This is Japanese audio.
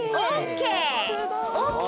「ＯＫ！」